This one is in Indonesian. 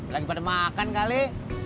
lagi pada makan kali